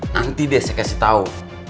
nanti deh saya kasih tahu